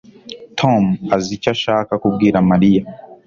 Tom azi icyo ashaka kubwira Mariya